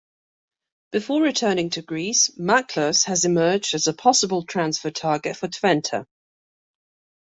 Before returning to Greece Machlas has emerged as a possible transfer target for Twente.